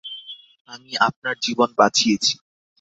আমি আপনার জীবন বাঁচিয়েছি।